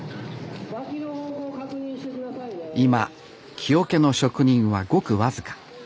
今木桶の職人はごく僅か。